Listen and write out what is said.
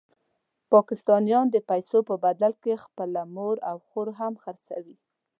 پاکستانیان د پیسو په بدل کې خپله مور او خور هم خرڅوي.